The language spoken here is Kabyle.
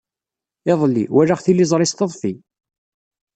Iḍelli, walaɣ tiliẓri s teḍfi.